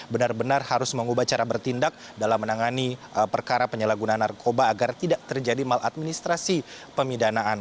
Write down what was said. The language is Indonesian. benar benar harus mengubah cara bertindak dalam menangani perkara penyalahgunaan narkoba agar tidak terjadi maladministrasi pemidanaan